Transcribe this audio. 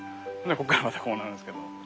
こっからまたこうなるんですけど。